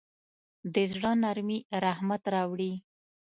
د زړه نرمي رحمت راوړي.